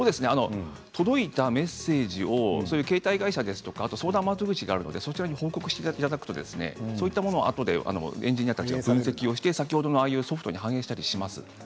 届いたメッセージを携帯会社や相談窓口があるのでそちらに報告していただくとあとでエンジニアたちが分析をして先ほどのソフトに反映したりします。